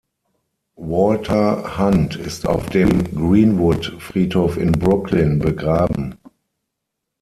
Walter Hunt ist auf dem Green-Wood Friedhof in Brooklyn begraben.